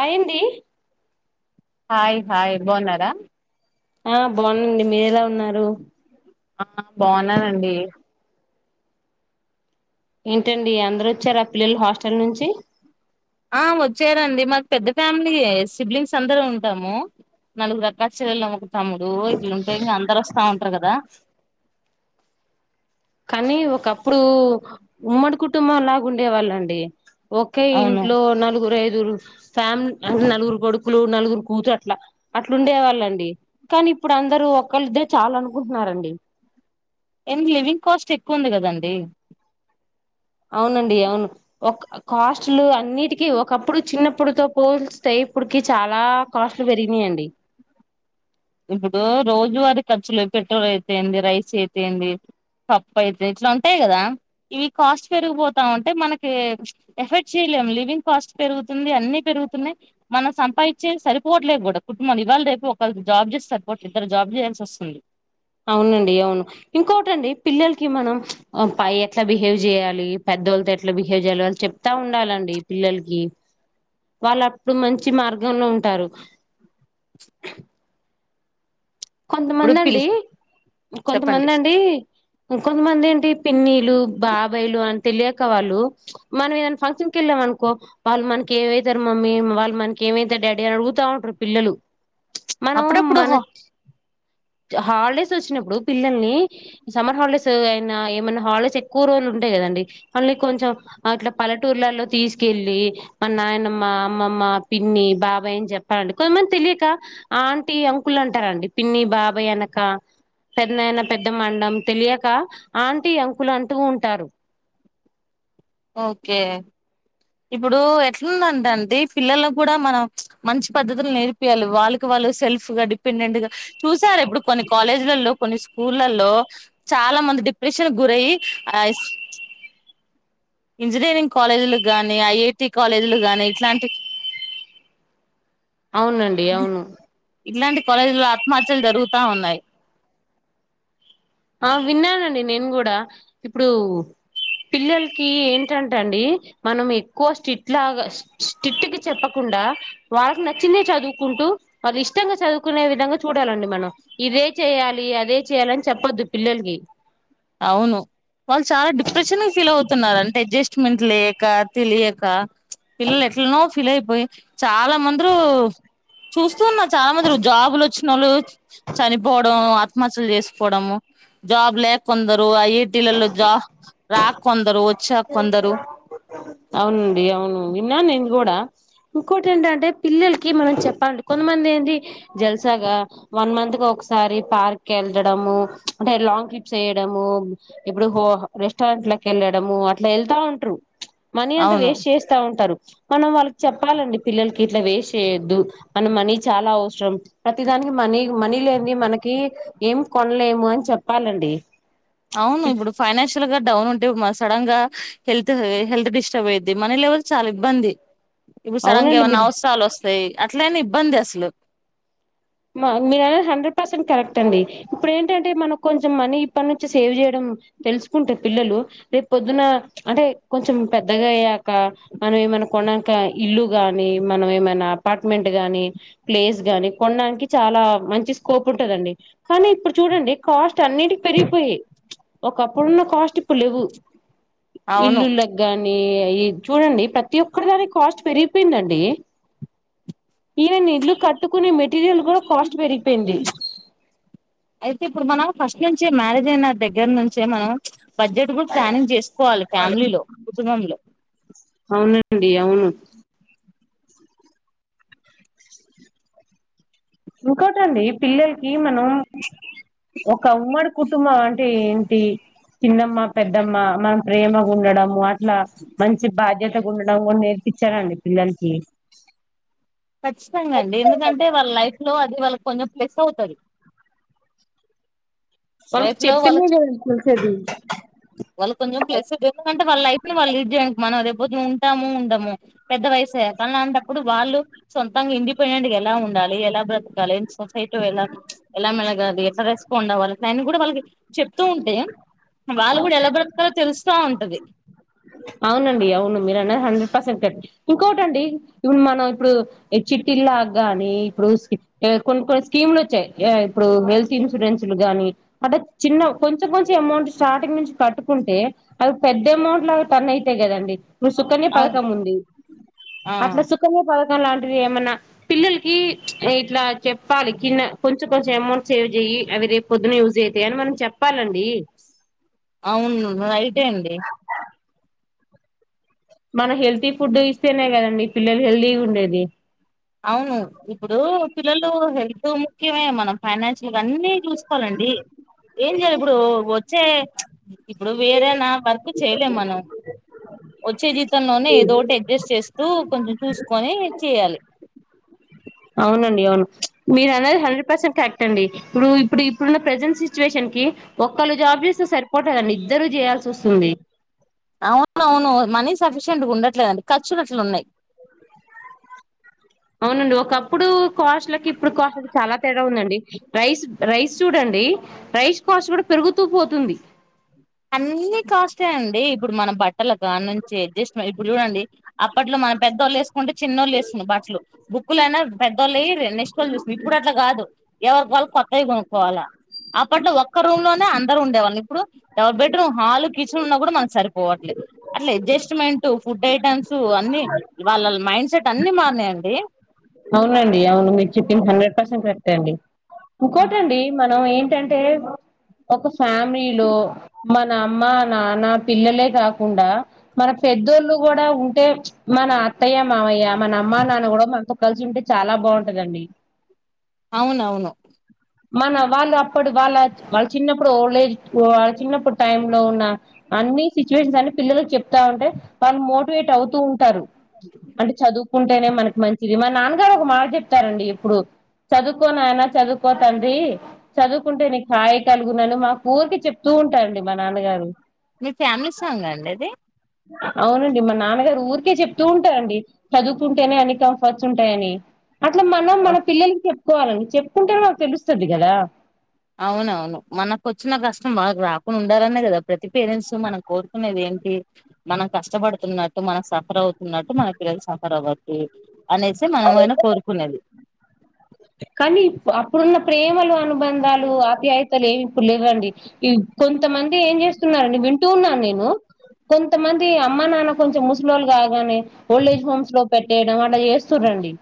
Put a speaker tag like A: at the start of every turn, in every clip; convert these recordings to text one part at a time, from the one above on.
A: అయింది
B: hi hi బాగున్నారా.
A: ఆ బాగునండి మీర ఎలా ఉన్నారు
B: ఆ బాగున్నానండి
A: ఏంటండి అందరు వచ్చారు. పిల్లలు హాస్టల్ నుంచి
B: ఆ వచ్చేడంండి. మాకు పెద్ద ఫ్యామిలీ సిబ్లింగ్స్ అందరుూ ఉంటాము. నాలుగు అక్క చెల్లెలు తమ్ముడు ఇట్లుంటే ఇ అందరు వస్తా ఉంటారు. కదా
A: కానీ ఒకప్పుడు ఉమ్మడి కుటుంబం లాగా ఉండేవాళ్ళండి. ఓకే
B: అవును
A: ఇంట్లో నాలుగు రా ఐదుగురు రు ఫ్యామిలీ అంటే నలుగురు కొడుకులు నలుగురు కూతురు అట్లా అట్లు ఉండే వాళ్ళుండి. కానీ ఇప్పుడు అందరుూ ఒకళ్ళద్దరే చాలా అనుకుంటున్నారండి.
B: ఎం లివింగ్ కాస్ట్ ఎక్కువ ఉంది కదండి.
A: అవునండి అవును ఒక కాస్ట్లు అన్నిటికిీ ఒకప్పుడు చిన్నప్పుడుతో పోల్ స్టే ఇపుడుకి చాలా కాస్ట్లు పెరిగినయి అండి.
B: ఇప్పుడు రోజువారీ ఖర్చులు పెట్రోల్ అయితేయింది. రైస్ అయితేంది, పప్పు అయితేంది ఇట్లా ఉంటాయి కదా ఇవి కాస్ట్ పెరిగిపోతాంంటే. మనకి ఎఫెర్ట్ చేయలేము లివింగ్ కాస్ట్ పెరుగుతుంది. అన్ని పెరుగుతున్నాయి మనం సంపాదించే సరిపోవట్లేదు. కూడా కుటుంబన్ని ఇవాళ రేపు ఒకళ జాబ్ చేస్తారు పోట్ ఇద్దరు జాబ్ చేయాల్సి వస్తుంది.
A: అవునండి అవును ఇంకోటిటండి పిల్లలకి మనం పై ఎట్లా బిహేవ్ చేయాలి. పెద్దవాళ్ళతో ఎట్లా బిహేవ్ చేయాలి, వాళ్ళు చెప్తా ఉండాలండి పిల్లలకి వాళ్ళు అప్పుడు మంచి మార్గంలో ఉంటారు.
B: ఇప్పుడు
A: కొంతమంది
B: పిల్
A: అండి
B: చెప్పండి
A: కొంతమంది అండి కొంతమంది ఏంటి మీ పిన్నీ టు బాబాయిలు అంట తెలియక వాళ్ళు మనం ఏదైనా ఫంక్షన్ క వెళ్ళామ వాళ్ళు మనకి ఏమవుతారు, మమ్మీ వాళ్ళు మనకి ఏమవుతారు డాడీ అని అడుగుతా ఉంటారు పిల్లలు. మనం
B: అప్పుడప్పుడు
A: మన
B: హో
A: హాలిడేస్ వచ్చినప్పుడు పిల్లల్ని సమ్మర్ హాలిడేస్ అయినా ఏమైన్నా హాలిడేస్ ఎక్కువ రోజులు ఉంటాయి కదండి. మళ్ళీ కొంచెం అట్లా పలెటూర్లలో తీసుకెళ్ళి మా నాయనమ్మ అమ్మమ్మ పిన్ని బాబాయ్ అని చెప్పాలండి. కొంతమంది తెలియక ఆంటీ అంకులు అంటారండి పిన్ని బాబాయ్. అబ అనక పెద్దయినా, పెద్దమ్మ తెలియక ఆంటీ అంకులు అంటూ ఉంటారు.
B: ఓకే ఇప్పుడు ఎట్ందంట అండి పిల్లలు కూడా మనం మంచి పద్ధతులు నేర్పియాలి. వాళ్ళకి వాళ్ళు సెల్ఫ్గా డిపెండెంట్గా చూసారు. ఇప్పుడు కొన్ని కాలేజీలలో కొన్ని స్కూళ్లల్లో చాలా మంది డిప్రెషన్ గురయ, ఇంజనీరింగ్ కాలేజీలు గానీ ఐఐటి కాలేజీలు గానీ ఇట్లాంటి
A: అవునండి అవును
B: ఇలాంటి కాలేజీలో ఆత్మహత్య అచ్చం జరుగుతా ఉన్నాయి
A: ఆ విన్నానండి నేను కూడా ఇప్పుడు పిల్లలకి ఏంటంటే అండి మనం ఎక్కువ స్టిట్ లాగా స్టట్కి చెప్పకుండా. వాళ్ళకి నచ్చింద చదువుకుంటూ వాళ్ళు ఇష్టంగా చదువుకునే విధంగా చూడాలండి మనం ఇదే చేయ్యాలి. అదే చేయాలని చెప్పొద్దు పిల్లలకి
B: అవును వాళ్ళు చాలా డిప్రెషన్ ఫీల్ అవుతున్నడి. అడ్జస్ట్మెంట్ లేక తెలియక పిల్లలు ఎట్లున్నావ్ ఫీలయిపోయి [inaudible] చాలా మందిరు చూస్తూ ఉన్నారు, చాలా మందిరు జాబులు వచ్చిన వాళ్ళు చనిపోవడం, ఆత్మహత్యలు చేసుకోవడం. జాబు లేె కొందరు ఐఐటీలల్లో జా రా కొందరూ వ
A: అవునండి అవును విన్నా నేను కూడా ఇంకోటి ఏంటంటే పిల్లలకి మనం చెప్పాలండి కొంతమంది ఏంటి జలసాగా వన్ మంత్ కి ఒకసారి పార్క్ వెళ్ళడము అంటే లాంగ్ ట్రిప్స్ చేయడము ఇప్పుడు హో రెస్టారెంటలకు వెళ్ళడము ఇట్ల వెళ్తా ఉంటారు మనీ అంతా
B: అవును
A: వేస్ట్ చేస్తా ఉంటారు మనం వాళ్ళకి చెప్పాలండి పిల్లలకి ఇట్ల వేస్ట్ చేయొద్దు మన మనీ చాలా అవసరం ప్రతిదానికి మనీ మనీ లేనిది మనకి ఏం కొనలేము అని చెప్పాలండి
B: అవును ఇప్పుడు ఫైనాన్షియల్గా డౌన్ ఉంటే సడన్ గా హెల్త్ హెల్త్ డిస్టర్బ్ అయిద్ది మనీ లెవెల్ చాలా ఇబ్బంది ఇప్పుడు సడంగ
A: అవునండి
B: ఏమన్నా
A: మీరు
B: అవసరాలు వస్ ఏ అట్లనే ఇబ్బంది అసలు
A: మీర అన్నది హండ్రెడ్ పర్సెంట్ కరెక్ట్ అండి ఇప్పుడు ఏంటంటే మనం కొంచెం మనీ ఇప్పటి నుంచి సేవ్ చేయడం తెలుసుకుంటే పిల్లలు రేపు పొద్దున అంటే కొంచెం పెద్దగా అయ్యాక మనం ఏమైనా కొన్నాక ఇల్లు గాని మనం ఏమైనా అపార్ట్మెంట్ గానీ ప్లేస్ గానీ కొన్నా చాలా మంచి స్కోప్ ఉంటదండి కానీ ఇప్పుడు చూడండి కాస్ట్ అన్నిటికి పెరిగిపోయాయి ఒకప్పుడున్న కాస్ట్ అప్పు లేవు
B: అవును
A: ఇల్లుళకి కానీ ఈ చూడండి ప్రతిఒక్కటి దానికి కాస్ట్ పెరిగి పోయింది అండి ఈవెన్ ఇల్లు కట్టుకొనే మెటీరియల్ కూడా [unintelligible] కాస్ట్ పెరిగిపోయింది
B: నుంచి మ్యారేజ్ అయినా దగ్గర నుంచే మనం బడ్జెట్ కూడా ప్లానింగ్ చేసుకోవాలి ఫ్యామిలీలో కుటుంబంలో
A: అండి అవును ఇంకోటండి పిల్లలకి మనం ఒక అమ్మడు కుటుంబం అంటే ఏంటి చిిన్నమ్మ పెద్దమ్మ మనం ప్రేమగా ఉండడము అట్లా మంచి బాధ్యతగా ఉండడం కొన్ని నేర్పించారండి పిల్లలకి
B: ఖచ్చితంగా అండి ఎందుకంటే వాళ్ళ లైఫ్ లో అది వాళ్ళకి కొంచెం ప్లస్ అవుతది
A: వాళ్ళకి
B: లైఫ్ లో వాళ్ళ
A: చెప్తేనే గా తెలిసేది
B: కొంచెం ప్లస్ అంటే ఎందుకంటే వాళ్ళు లైఫ్ లో వాళ్ళు లీడ్ చేయ మనం రేపు పోదునా ఉంటామో ఉండమో పెద్ద వయసుే కలాంటప్పుడు వాళ్ళు సొంతంగా ఇండిపెండెంట్గా ఎలా ఉండాలి ఎలా బ్ర ం [unintelligible] సొసైట్ ఎ ఎలా మెళగాలి ఎలా రెస్పాండ్ అవ్వాలి ఇట్లా అన్ని కూడా వాళ్ళకి చెప్తూ ఉంటే వాళ్ళు కూడా త [inaudible] వస్తా ఉంటది
A: అవునండి అవును మీరు అన్నది హండ్రెడ్ పర్సెంట్ కర్ట్ ఇంకోటిండి ఇప్పుడు మనం ఇప్పుడు చిట్టిల్లా గాని ఇప్పుడు కొన్ని కొన్ని స్కీములు వచ్చాయి ఇప్పుడు హెల్త్ ఇన్సూరెన్స్ లు గాని అంటే చిన్న కొంచెం కొంచెం అమౌంట్ స్టార్టింగ్ నుంచి కట్టుకుంటే అవి పెద్ద అమౌంట్ లా తనైతయ్ గదండి ఇప్పుడు సుఖన్య
B: అవును
A: పథకం ఉంది
B: ఆ
A: అట్లా సుఖన్య పథకం అలాంటివి ఏమన్నా పిల్లలకి ఇట్లా చెప్పాలి కింద కొంచెం కొంచెం అమౌంట్ సేవ్ చెయ్యి అవి రేపు పొద్దున్న యూజ్ అవుతాయి అని మనం చెప్పాలండి
B: అవును రైటే అండి
A: మనం హెల్తీ ఫుడ్ ఇస్తేనే కదండి పిల్లలు హెల్తీ ఉండేది
B: అవును ఇప్పుడు పిల్లలు హెల్త్ ముఖ్యమే మనం ఫైనాన్షియల్ అన్నీ చూసుకోవాలండి ఏం చేయాలి ఇప్పుడు వచ్చే ఇప్పుడు వేరే నా వర్క్ చేయలేం మనం వచ్చే జీతంలోనే ఏదోటి అడ్జస్ట్ చేసు డు కొంచెం చూసుకొని చేయాలి
A: అవునండి అవును మీరు అన్నది హండ్రెడ్ పర్సెంట్ కరెక్ట్ అండి ఇప్పుడు ఇప్పుడు ఇప్పుడున్న ప్రజెంట్ సిచువేషన్ కి ఒక్కోళ్ళు జాబ్ చేస్తే సరిపోతుదండి ఇద్దరు చేయాల్సి వస్తుంది
B: అవును అవును మనీసఫీస్ ఉండట్లేదండి ఖర్చులట్ట ఉన్నాయి
A: అవునండి ఒకప్పుడు కాస్ట్లకి ఇప్పుడు కాస్ట్లకి చాలా తేడా ఉందండి రైస్ రైస్ చూడండి రైస్ కాస్ట్ కూడా పెరుగుతూ పోతుంది
B: అన్ని కాస్టే అండి ఇప్పుడు మన బట్ లాగా నుంచి అడ్జస్ట్ ఇప్పుడు చూడండి అప్పట్లో మన పెద్దోళ్ళు వేసుకుంటే చిన్నోళ్ళు వేసుకునే బట్లు బుక్కులైనా పెద్దోళ్ళయి నెక్స్టోళ్ళు చూసినం ఇప్పుడు అట్లా కాదు ఎవరి వాళు కొత్తవి కొనుక్కోవాలి అప్పట్లో ఒక్క రూమ్ లోనే అందరు ఉండేవాళ్ళు ఇప్పుడు డబల్ బెడ్రూమ్ హాలు కిచెన్ ఉన్నా కూడా మనకు సరిపోవట్లేదు అట్లా అడ్జస్ట్మెంట్ ఫుడ్ ఐటెమ్స్ అన్ని వాళ్ళ మైండ్ సెట్ అన్ని మారినయండి
A: అంతేయండి ఇకోట అండి మనం ఏం ఏంటంటే ఒక ఫ్యామిలీలో మన అమ్మ నాన్న పిల్లలే కాకుండా మన పెద్దోళ్ళు కూడా ఉంటే మన అత్తయ్య మామయ్య మన అమ్మ నాన్న కూడా మనతో కలిసి ఉంటే చాలా బాగుంటందండి
B: అవును అవును
A: మన వాళ్ళు అప్పుడు వాళ్ళ వాళ్ళ చిన్నప్పుడు ఓల్టేజ్ వాళ్ళ చిన్నప్పుడు టైమ్ లో ఉన్న అన్ని సిచువేషన్స్ అన్ని పిల్లలలకు చెప్ ఉంటే వాళ్ళు మోటివేట్ అవుతూ ఉంటారు అంటే చదువుకుంటేనే మనకి ఇది మా నాన్నగారు ఒక మాట చెప్తారండి ఇప్పుడు చదువుకో నయన చదువుకో తండ్రి చదువుకుంటే నీ కాయ కలుగునలు మా ఊరికి చెప్తూ ఉంటారండి మా నాన్నగారు
B: మీ ఫ్యామిలీ సాంగ్ అండి అది
A: అవునండి మా నాన్నగారు ఊరికే చెప్తూ ఉంటారండి చదువుతుంటేనే అని కంఫర్ట్స్ ఉంటాయని అట్లా మనం మన పిల్లలకి చెప్పుకోవాలని చెప్పుకుంటే మాకు తెలుస్తుంది కదా
B: అవునవును మనకోచ్చిన కష్టం వాళ్లకి రా ఉండాలనే కదా ప్రతి పేరెంట్స్ మనం కోరుకునేది ఏంటి మనం కష్టపడుతున్నటు మనం సఫర్ అవుతున్నట్టు మన పిల్లలు సఫర్ అవదు అనేసి మనమైనా కోరుకునేది
A: కానీ ఇప్పుడ అప్పుడున్న ప్రేమలు అనుబంధాలు ఆప్యాయతలు ఏమి ఇప్పుడు లేవండి కొంతమంది ఏం చేస్తున్నారండి వింటూ ఉన్నాను నేను కొంతమంది అమ్మ నాన్న కొంచెం ముసలోళ్ళు కాగానే ఓల్డేజ్ హోమ్స్ లో పెట్టేయడం అలా చేస్తు రండి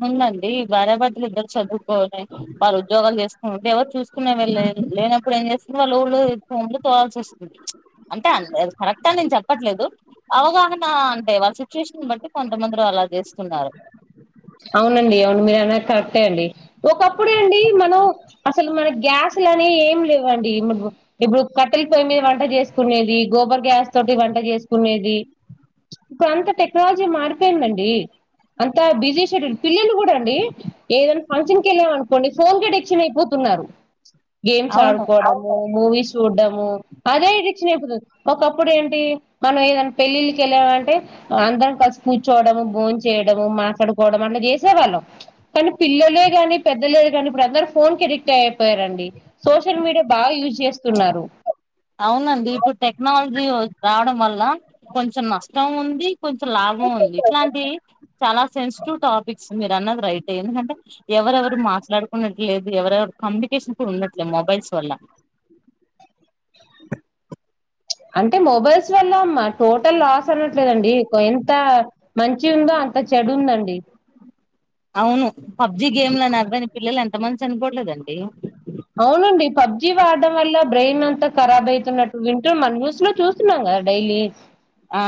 B: అవునండి భార్యాభర్తలు ఇద్దరు చదువు పోతే వాళ్ళ ఉద్యోగం చేసుకునేటే ఎవరు తీకునే వెళ్ళరు లేనప్పుడు ఏం చేస్తు వాళ్ళు ఊళ్ళు ముందుకోవాల్సి వస్తుంది అంటే కరెక్ట్ అని నేను చెప్పట్లేదు అవగాహన అంటే వచ్చి సిచువేషన్ బట్టి కొంతమంది అలా చేసుకుంటూ ఉన్నారు
A: అవునండి అవును మీరు అన్నది కరెక్టే అండి ఒకప్పుడే అండి మనం అసలు మన గ్యాస్లుని ఏం లేవండి ఇప్పుడు కట్టెల పొయ్యి మీద వంట చేసుకునేది గోబర్ గ్యాస్ తోటి వంట చేసుకునేది ఇప్పుడు అంత టెక్నాలజీ మారిపోయింది అండి పిల్లలు కూడా అండి ఏదైనా ఫంక్షన్ కి వెళ్ళామ అనుకోండి ఫోన్ కి అడిక్షన్ అయిపోతున్నారు గేమ్స్
B: అవును
A: ఆడుకోవడము మూవీస్ చూడ్డము అదే ఎడిక్షన్ అయిపోతుంది ఒకప్పుడు ఏంటి మనం ఏదనా పెళ్ళిళ్ళక వెళ్ళామంటే అందరం కలిసి కూర్చోడము భోన్ చేయడము మాట్లాడ అట్లా చేసేవాళ్ళం కానీ పిల్లలే కానీ పెద్దలే కానీ ఇప్పుడు అందరూ ఫోన్ ఎడిట్ డక్ట్ అయిపోయారండి సోషల్ మీడియా బాగా యూస్జ్ చేస్తున్నారు
B: అవునండి ఇప్పుడు టెక్నాలజీ వచి రావడం వల్ల కొంచెం నష్టం ఉంది. కొంచెం లాభం ఉంది ఇట్లాంటి చాలా సెన్సిటివ్ టాపిక్స్ మీరు అన్నది రైట్ ఎందుకంటే ఎవరెవరు మాట్లాడుకున్నట్లేదు ఎవరెవ కమ్యూనికేషన్ కూడా ఉండట్లేదు మొబైల్స్ వల్ల.
A: అంటే మొబైల్స్ వల్ల మ టోటల్ లాస్ అనట్లేదండి ఎంత మంచి ఉందో అంత చెడు ఉందండి.
B: అవును. పబ్జి గేమ్లని అద్వానీ పిల్లలన్ ఎంతమంది చనిపోవట్లేదండి.
A: పబ్జీ వాడడం వల్ల బ్రెయిన్ అంతా కరాబ్ అయితున్నట్టు వింటూ మన న్యూస్ లో చూస్తున్నాం కదా డైలీ.
B: ఆ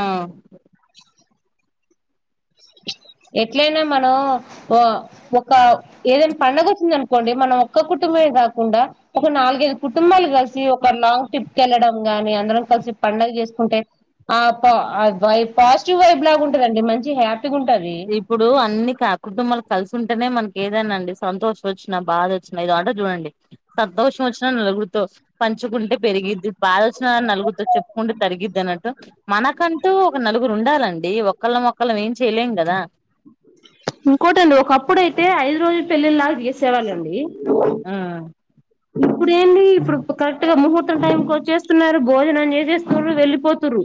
A: ఎట్లయినా మనం ఓ ఒక ఏదైనా పండగ వచ్చిందనుకోండి మనం ఒక్క కుటుంబమే కాకుండా ఒక నాలుగైదు కుటుంబాలు కలిసి ఒక లాంగ్ ట్రిప్ కి వెళ్ళడం గానీ అందరం కలిసి పండగ చేసుకుంటే ఆ పొ ఆ వైబ్ పాజిటివ్ వైబ్లాగా ఉంటుదండి మంచి హ్యాప్
B: ఇప్పుడు అన్ని కాద్ కుటుంబాలకు కలిసి ఉంటేనే మనకి ఏదైనా అండి సంతోషం వచ్చినా బాదొచ్చినా ఏదో అంటారు చూడండి సంతోషం వచ్చినా నలుగురుతో పంచుకుంటే పెరిగిద్ది భాదొచ్చిన నలుగుతో చెప్పుకుంటే తరిగిద్ది అన్నట్టు మనకంటూ ఒక నలుగురు ఉండాలండి ఒకళ్ళం ఒకళ్ళం ఏం చేయలేం కద దా
A: ఇంకోటండి ఒకప్పుడు అయితే ఐదు రోజులు పెళ్లిళ్లాగా చేసేవాళ్ళండి
B: ఆ
A: ఇప్పుడు ఏంది ఇప్పుడు కరెక్ట్గా ముహూర్తం టైంకి వచ్చేస్తున్నారు భోజనం చేసేస్తున్నారు వెళ్ళిపోతుర్రు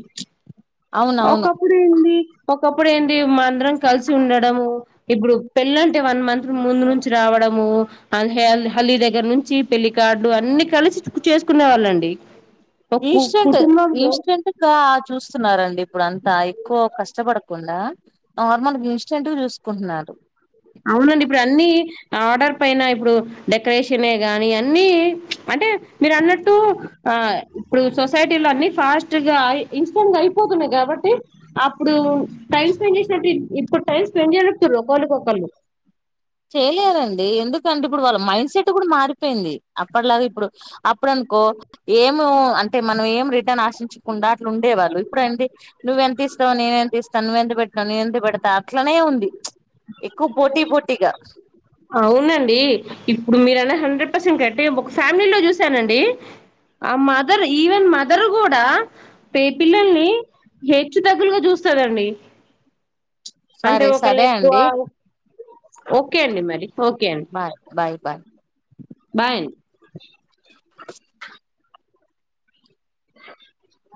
B: అవునవును
A: ఒకప్పుడు ఏంది ఒకప్పుడు ఏంది మా అందరం కలిసి ఉండడము ఇప్పుడు పెళ్లి అంటే వన్ మంత్ ముందు నుంచి రావడము హాల్ హల్లీ దగ్గర నుంచి పెళ్లి కార్డు అన్ని కలిసి చేసుకునే వాళ్ళండి ఒక
B: ఇన్స్టెంట్
A: కుటుంబంలో
B: ఇన్స్టెంట్గా చూస్తున్నారండి ఇప్పుడు అంతా ఎక్కువ కష్టపడకుండా నార్మల్ ఇన్స్టెంట్ చూసుకుంటున్నారు
A: అవునండి ఇప్పుడు అన్ని ఆర్డర్ పైన ఇప్పుడు డెకరేషనే గాని అన్ని అంటే మీరు అన్నట్టు ఆ ఇప్పుడు సొసైటీలో అన్ని ఫాస్ట్ గా ఇన్స్టెంట్ గా అయిపోతున్నాయి కాబట్టి అప్పుడు టైం స్పెండ్ చేసినట్టు ఇప్పుడు టైం స్పెండ్ చేయ్ర ఒకళ్ళక ఒకళ్ళు
B: చేయలేదండి ఎందుకంటే ఇప్పుడు వాళ్ళ మైండ్ సెట్ కూడా మారిపోయింది అప్పటిలాగా ఇప్పుడు అప్పుడు అనుకో ఏమ అంటే మనం ఏం రిటర్న్ ఆశించకుండా అట్లా ఉండే వాళ్ళు ఇప్పుడు అండి నువ్వెంత ఇస్తావు నేను ఎంత ఇస్తాను నువ్వెంత పెడుతావ్ నేను ఎంత పెడతా అట్లనే ఉంది చ్ ఎక్కువ పోటీ పోటీగా
A: అవునండి ఇప్పుడు మీరన్న హండ్రెడ్ పర్సెంట్ కరెక్టే ఒక ఫ్యామిలీలో చూసానండి ఆ మదర్ ఈవెన్ మదర్ కూడా పే పిల్లల్ని హెచ్చు తగ్గులుగా చూస్తాదండి అంటే
B: సరే
A: ఒకళ్ళు
B: సరే
A: ఎక్కువ
B: అండి
A: ఒక్ ఓకే అండి మరి ఓకే అండి
B: బాయ్ బాయ్ బాయ్
A: బాయ్ [inaudible]